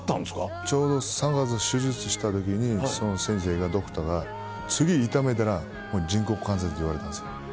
ちょうど３月に手術した時に先生がドクターが。って言われたんですよ。